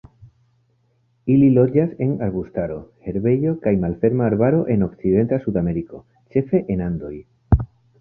Ili loĝas en arbustaro, herbejo kaj malferma arbaro en okcidenta Sudameriko, ĉefe en Andoj.